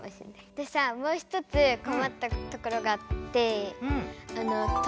でさもう一つこまったところがあって。